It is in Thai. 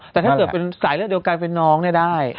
แต่ถ้าเกิดเป็นสายเลือดเดียวกันเป็นน้องเนี่ยได้